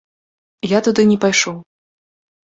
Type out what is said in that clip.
Я туды не пайшоў.